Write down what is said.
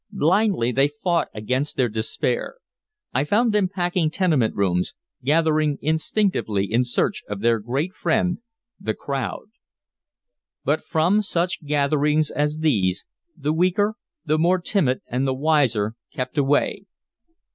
Blindly they fought against their despair. I found them packing tenement rooms, gathering instinctively in search of their great friend, the crowd. But from such gatherings as these, the weaker, the more timid and the wiser kept away.